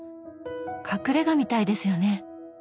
隠れ家みたいですよね。